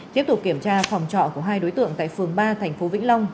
tiếp tục kiểm tra phòng trọ của hai đối tượng tại phường ba tp vĩnh long